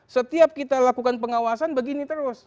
setiap kita lakukan pengawasan begini terus